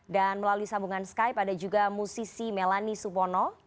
dan melalui sambungan skype ada juga musisi melanie supono